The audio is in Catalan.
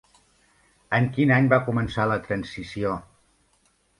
En quin any va començar la transició?